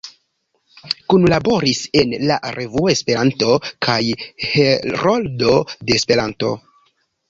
Kunlaboris en "La Revuo, Esperanto" kaj "Heroldo de Esperanto.